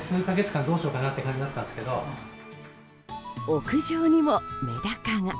屋上にも、メダカが。